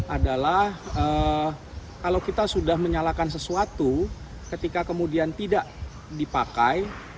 adalah kalau kita sudah menyalakan sesuatu ketika kemudian tidak dipakai